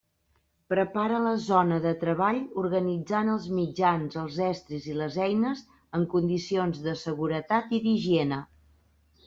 Prepara la zona de treball organitzant els mitjans, els estris i les eines en condicions de seguretat i d'higiene.